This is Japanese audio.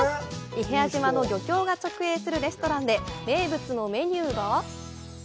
伊平屋島の漁協が直営するレストランで名物のメニューが？